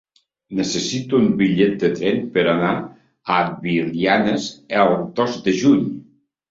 Necessito un bitllet de tren per anar a Belianes el dos de juny.